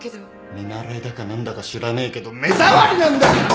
見習いだか何だか知らねえけど目障りなんだよ！